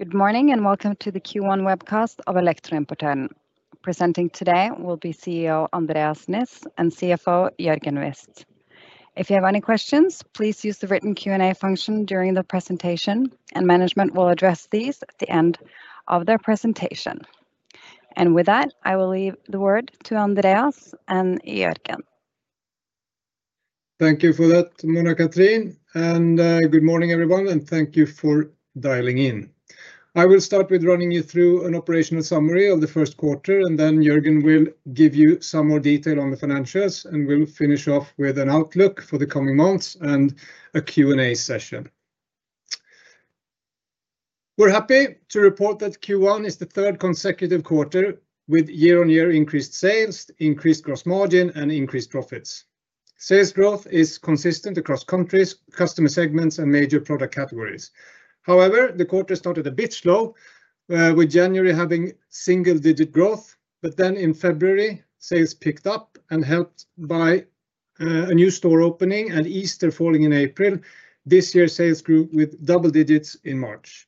Good morning and welcome to the Q1 webcast of Elektroimportøren. Presenting today will be CEO Andreas Niss and CFO Jørgen Wist. If you have any questions, please use the written Q&A function during the presentation, and management will address these at the end of their presentation. With that, I will leave the word to Andreas and Jørgen. Thank you for that, Mona-Cathrin, and good morning everyone, and thank you for dialing in. I will start with running you through an operational summary of the first quarter, and then Jørgen will give you some more detail on the financials, and we'll finish off with an outlook for the coming months and a Q&A session. We're happy to report that Q1 is the third consecutive quarter with year-on-year increased sales, increased gross margin, and increased profits. Sales growth is consistent across countries, customer segments, and major product categories. However, the quarter started a bit slow, with January having single-digit growth, but then in February, sales picked up and helped by a new store opening and Easter falling in April. This year, sales grew with double digits in March.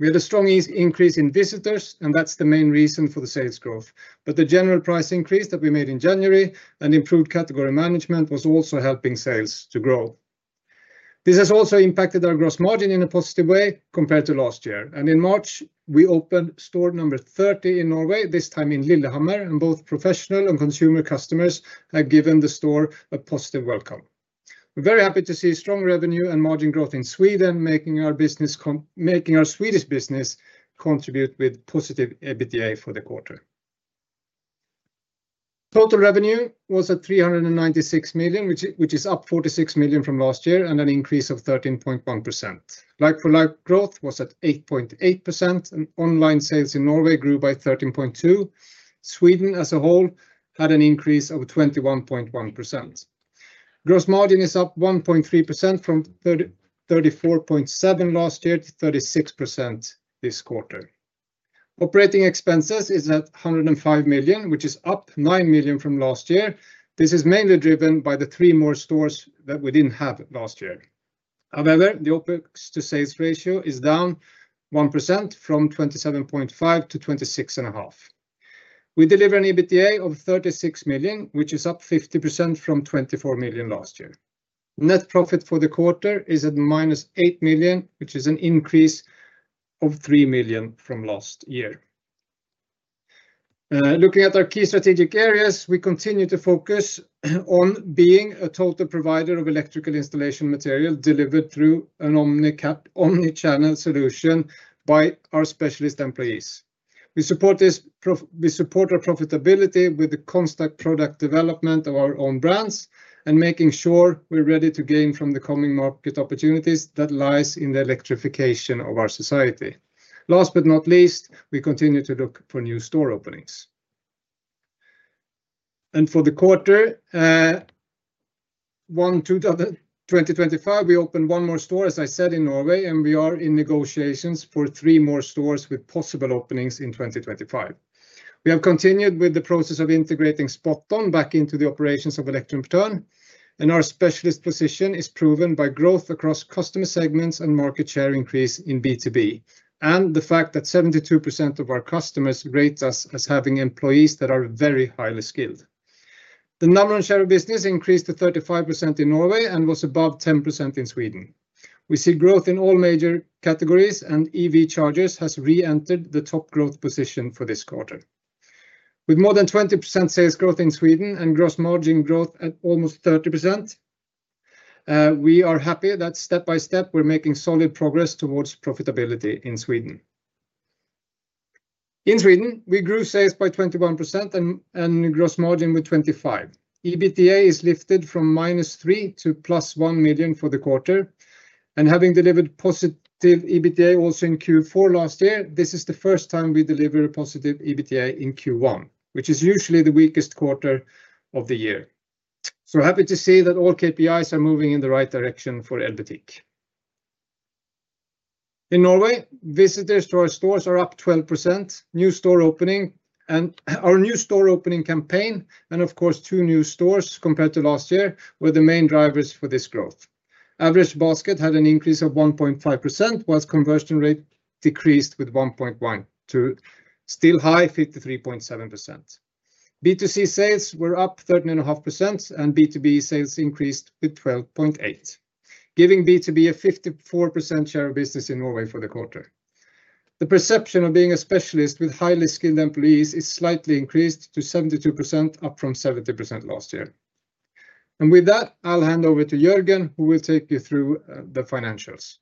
We had a strong increase in visitors, and that's the main reason for the sales growth. The general price increase that we made in January and improved category management was also helping sales to grow. This has also impacted our gross margin in a positive way compared to last year. In March, we opened store number 30 in Norway, this time in Lillehammer, and both professional and consumer customers have given the store a positive welcome. We're very happy to see strong revenue and margin growth in Sweden, making our Swedish business contribute with positive EBITDA for the quarter. Total revenue was at 396 million, which is up 46 million from last year and an increase of 13.1%. Like-for-like growth was at 8.8%, and online sales in Norway grew by 13.2%. Sweden as a whole had an increase of 21.1%. Gross margin is up 1.3% from 34.7% last year to 36% this quarter. Operating expenses is at 105 million, which is up 9 million from last year. This is mainly driven by the three more stores that we did not have last year. However, the OpEx to sales ratio is down 1% from 27.5% to 26.5%. We deliver an EBITDA of 36 million, which is up 50% from 24 million last year. Net profit for the quarter is at -8 million, which is an increase of 3 million from last year. Looking at our key strategic areas, we continue to focus on being a total provider of electrical installation material delivered through an omnichannel solution by our specialist employees. We support our profitability with the constant product development of our own brands and making sure we are ready to gain from the coming market opportunities that lie in the electrification of our society. Last but not least, we continue to look for new store openings. For the quarter 2025, we opened one more store, as I said, in Norway, and we are in negotiations for three more stores with possible openings in 2025. We have continued with the process of integrating SpotOn back into the operations of Elektroimportøren, and our specialist position is proven by growth across customer segments and market share increase in B2B, and the fact that 72% of our customers rate us as having employees that are very highly skilled. The number on share of business increased to 35% in Norway and was above 10% in Sweden. We see growth in all major categories, and EV chargers has re-entered the top growth position for this quarter. With more than 20% sales growth in Sweden and gross margin growth at almost 30%, we are happy that step by step we're making solid progress towards profitability in Sweden. In Sweden, we grew sales by 21% and gross margin with 25%. EBITDA is lifted from -3 million to +1 million for the quarter, and having delivered positive EBITDA also in Q4 last year, this is the first time we deliver a positive EBITDA in Q1, which is usually the weakest quarter of the year. Happy to see that all KPIs are moving in the right direction for Elbetik. In Norway, visitors to our stores are up 12%, new store opening, and our new store opening campaign, and of course, two new stores compared to last year were the main drivers for this growth. Average basket had an increase of 1.5%, while conversion rate decreased with 1.1% to still high 53.7%. B2C sales were up 13.5%, and B2B sales increased with 12.8%, giving B2B a 54% share of business in Norway for the quarter. The perception of being a specialist with highly skilled employees is slightly increased to 72%, up from 70% last year. With that, I'll hand over to Jørgen, who will take you through the financials.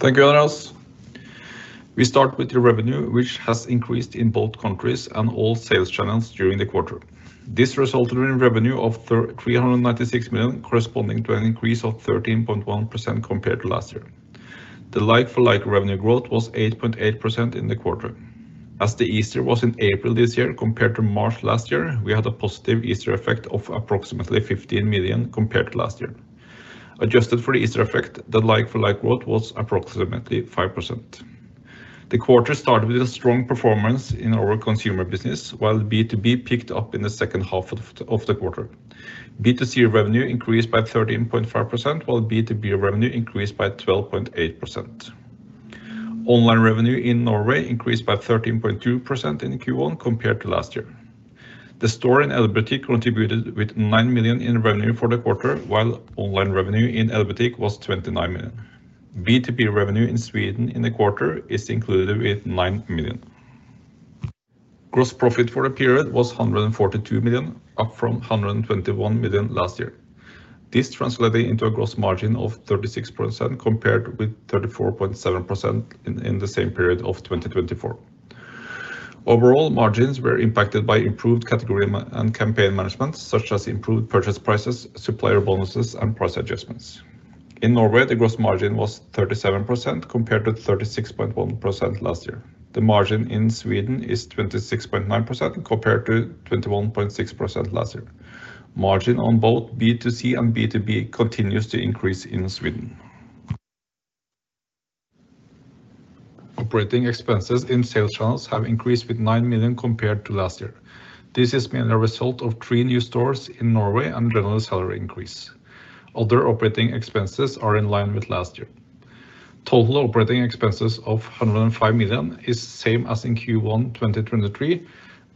Thank you, Andreas. We start with the revenue, which has increased in both countries and all sales channels during the quarter. This resulted in revenue of 396 million, corresponding to an increase of 13.1% compared to last year. The like-for-like revenue growth was 8.8% in the quarter. As the Easter was in April this year compared to March last year, we had a positive Easter effect of approximately 15 million compared to last year. Adjusted for the Easter effect, the like-for-like growth was approximately 5%. The quarter started with a strong performance in our consumer business, while B2B picked up in the second half of the quarter. B2C revenue increased by 13.5%, while B2B revenue increased by 12.8%. Online revenue in Norway increased by 13.2% in Q1 compared to last year. The store in Elbetik contributed with 9 million in revenue for the quarter, while online revenue in Elbetik was 29 million. B2B revenue in Sweden in the quarter is included with 9 million. Gross profit for the period was 142 million, up from 121 million last year. This translated into a gross margin of 36% compared with 34.7% in the same period of 2023. Overall, margins were impacted by improved category and campaign management, such as improved purchase prices, supplier bonuses, and price adjustments. In Norway, the gross margin was 37% compared to 36.1% last year. The margin in Sweden is 26.9% compared to 21.6% last year. Margin on both B2C and B2B continues to increase in Sweden. Operating expenses in sales channels have increased with 9 million compared to last year. This is mainly a result of three new stores in Norway and general salary increase. Other operating expenses are in line with last year. Total operating expenses of 105 million is the same as in Q1 2023,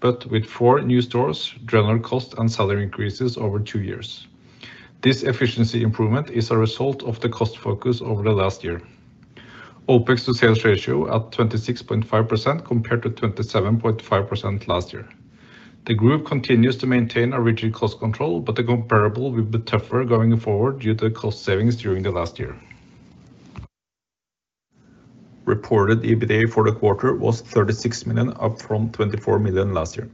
but with four new stores, general cost and salary increases over two years. This efficiency improvement is a result of the cost focus over the last year. OpEx to sales ratio at 26.5% compared to 27.5% last year. The group continues to maintain original cost control, but the comparable will be tougher going forward due to cost savings during the last year. Reported EBITDA for the quarter was 36 million, up from 24 million last year.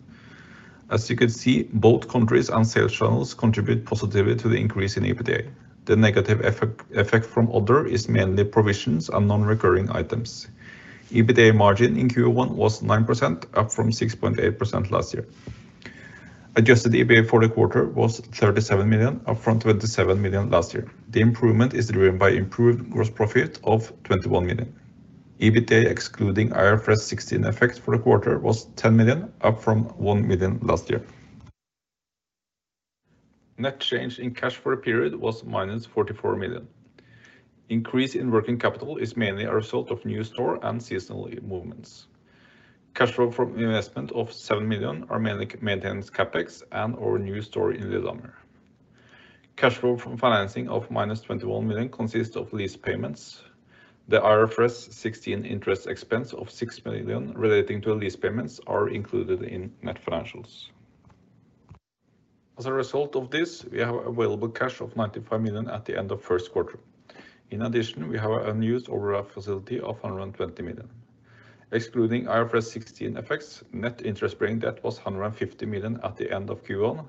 As you could see, both countries and sales channels contribute positively to the increase in EBITDA. The negative effect from other is mainly provisions and non-recurring items. EBITDA margin in Q1 was 9%, up from 6.8% last year. Adjusted EBITDA for the quarter was 37 million, up from 27 million last year. The improvement is driven by improved gross profit of 21 million. EBITDA excluding IFRS 16 effect for the quarter was 10 million, up from 1 million last year. Net change in cash for the period was -44 million. Increase in working capital is mainly a result of new store and seasonal movements. Cash flow from investment of 7 million are mainly maintained CapEx and our new store in Lillehammer. Cash flow from financing of -21 million consists of lease payments. The IFRS 16 interest expense of 6 million relating to lease payments are included in net financials. As a result of this, we have available cash of 95 million at the end of first quarter. In addition, we have an unused overall facility of 120 million. Excluding IFRS 16 effects, net interest-bearing debt was 150 million at the end of Q1,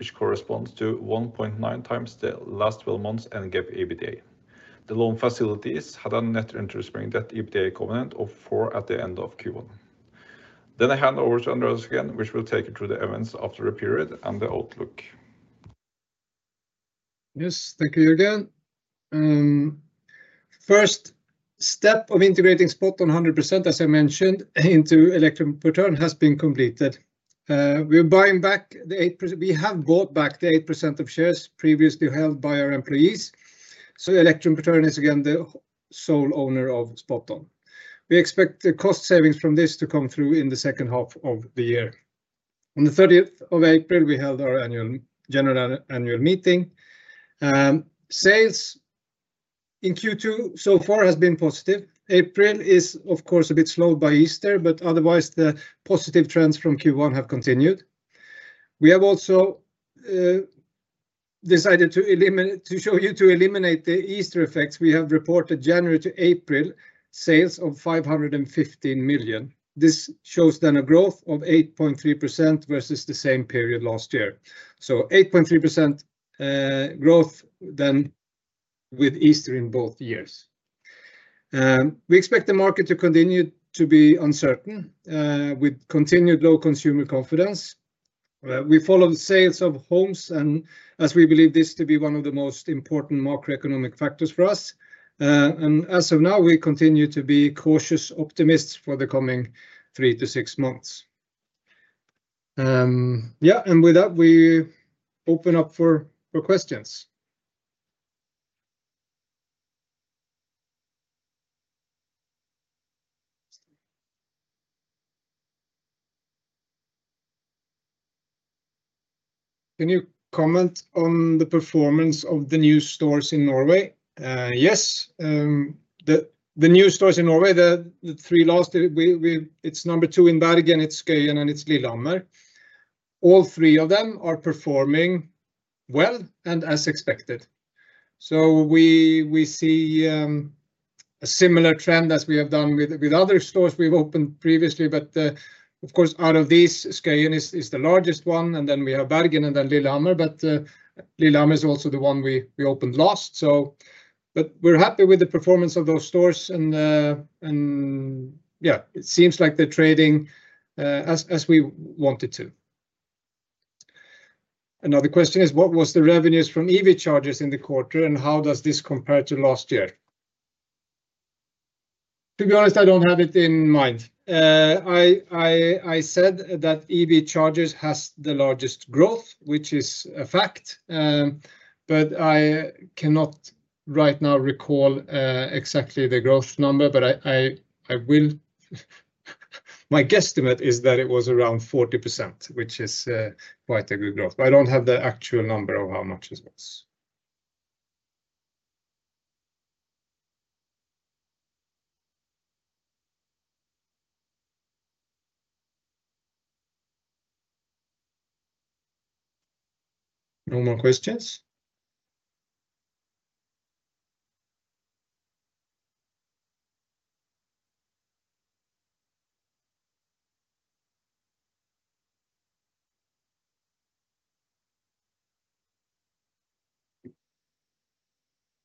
which corresponds to 1.9x the last 12 months' EBITDA. The loan facilities had a net interest-bearing debt to EBITDA equivalent of 4x at the end of Q1. I hand over to Andreas again, who will take you through the events after the period and the outlook. Yes, thank you, Jørgen. First step of integrating SpotOn 100%, as I mentioned, into Elektroimportøren has been completed. We're buying back the 8%. We have bought back the 8% of shares previously held by our employees. So Elektroimportøren is again the sole owner of SpotOn. We expect the cost savings from this to come through in the second half of the year. On the 30th of April, we held our general annual meeting. Sales in Q2 so far has been positive. April is, of course, a bit slowed by Easter, but otherwise, the positive trends from Q1 have continued. We have also decided to show you to eliminate the Easter effects. We have reported January to April sales of 515 million. This shows then a growth of 8.3% versus the same period last year. So 8.3% growth then with Easter in both years. We expect the market to continue to be uncertain with continued low consumer confidence. We follow the sales of homes as we believe this to be one of the most important macroeconomic factors for us. As of now, we continue to be cautious optimists for the coming three to six months. Yeah, with that, we open up for questions. Can you comment on the performance of the new stores in Norway? Yes. The new stores in Norway, the three last, it's number two in Bergen, it's Skøyen, and it's Lillehammer. All three of them are performing well and as expected. We see a similar trend as we have done with other stores we've opened previously, but of course, out of these, Skøyen is the largest one, and then we have Bergen and then Lillehammer, but Lillehammer is also the one we opened last. We're happy with the performance of those stores, and yeah, it seems like they're trading as we wanted to. Another question is, what was the revenues from EV chargers in the quarter, and how does this compare to last year? To be honest, I don't have it in mind. I said that EV chargers has the largest growth, which is a fact, but I cannot right now recall exactly the growth number, but my guesstimate is that it was around 40%, which is quite a good growth. I don't have the actual number of how much it was. No more questions?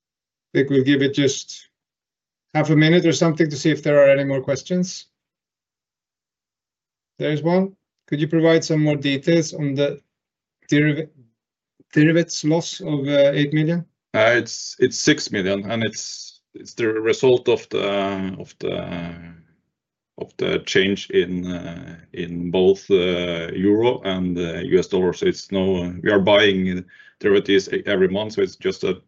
I think we'll give it just half a minute or something to see if there are any more questions. There's one. Could you provide some more details on the derivatives loss of 8 million? It's 6 million, and it's the result of the change in both the euro and the U.S. dollar. We are buying derivatives every month, so it's just a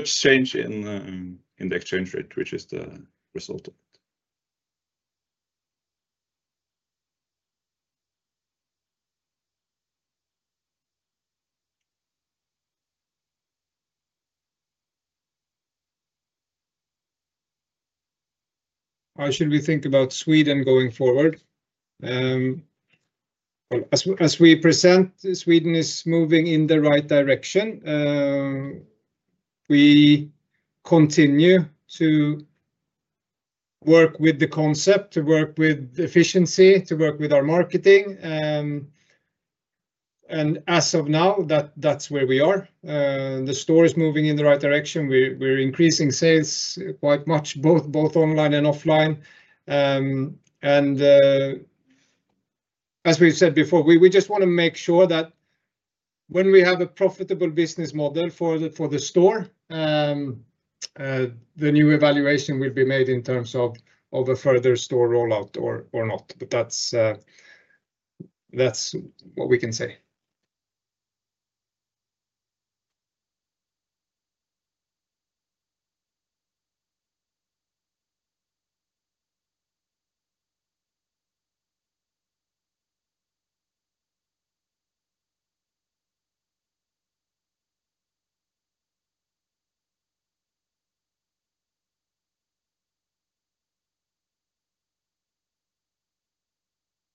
change in the exchange rate, which is the result of it. How should we think about Sweden going forward? As we present, Sweden is moving in the right direction. We continue to work with the concept, to work with efficiency, to work with our marketing. As of now, that's where we are. The store is moving in the right direction. We're increasing sales quite much, both online and offline. As we've said before, we just want to make sure that when we have a profitable business model for the store, the new evaluation will be made in terms of a further store rollout or not. That's what we can say.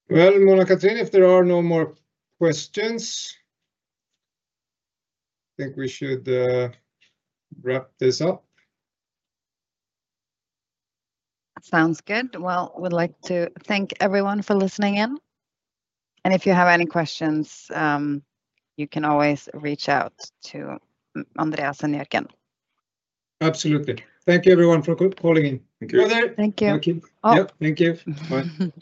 Mona-Cathrin, if there are no more questions, I think we should wrap this up. Sounds good. We would like to thank everyone for listening in. If you have any questions, you can always reach out to Andreas and Jørgen. Absolutely. Thank you, everyone, for calling in. Thank you. Thank you. Thank you. Bye.